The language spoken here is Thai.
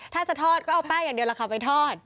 ถ้าจะทอดก็เอาแป้งอย่างเดียวล่ะค่ะไปทอด